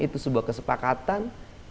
itu sebuah kesepakatan